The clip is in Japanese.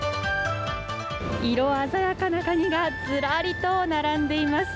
色鮮やかなカニがずらりと並んでいます。